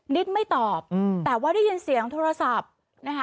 นิดไม่ตอบแต่ว่าได้ยินเสียงโทรศัพท์นะคะ